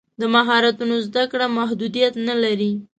د مهارتونو زده کړه محدودیت نه لري.